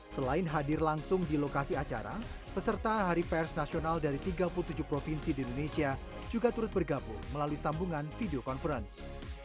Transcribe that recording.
selain hadir langsung di lokasi acara peserta hari pers nasional dari tiga puluh tujuh provinsi di indonesia juga turut bergabung melalui sambungan video conference